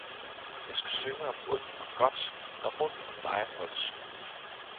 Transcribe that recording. jeg skal synge om ondt og godt, der rundt om dig holdes skjult!